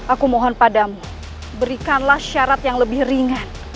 aku mohon padamu berikanlah syarat yang lebih ringan